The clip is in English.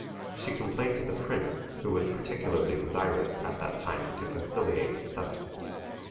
She complained to the prince, who was particularly desirous, at that time, to conciliate his subjects.